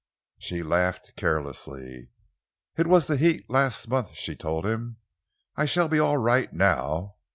She laughed carelessly. "It was the heat last month," she told him. "I shall be all right now.